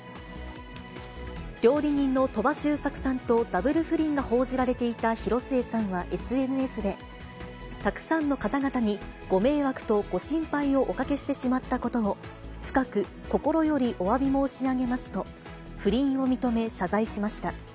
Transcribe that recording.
料理人の鳥羽周作さんとダブル不倫が報じられていた広末さんはＳＮＳで、たくさんの方々にご迷惑とご心配をおかけしてしまったことを深く心よりおわび申し上げますと、不倫を認め、謝罪しました。